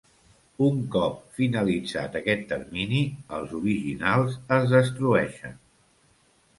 Un cop finalitzat aquest termini, els originals es destrueixen.